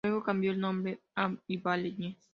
Luego cambió el nombre a "Ibanez".